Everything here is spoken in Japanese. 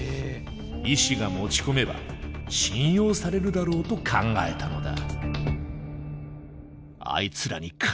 医師が持ち込めば信用されるだろうと考えたのだ。